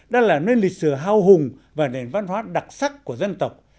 đã là nơi lịch sử hao hùng và nền văn hóa đặc sắc của dân tộc